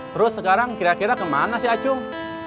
terus sekarang kira kira kemana sih acung